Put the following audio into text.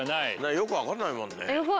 よく分かんないもんね。